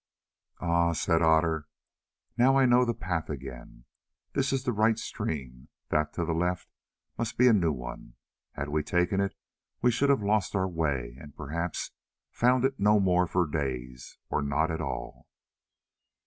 "Ah," said Otter, "now I know the path again. This is the right stream, that to the left must be a new one. Had we taken it we should have lost our way, and perhaps have found it no more for days, or not at all."